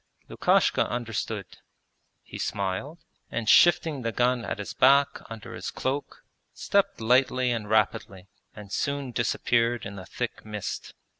Lukashka understood. He smiled, and shifting the gun at his back under his cloak stepped lightly and rapidly, and soon disappeared in the thick mist.